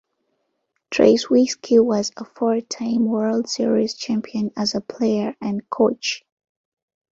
Tracewski was a four-time World Series champion as a player and coach.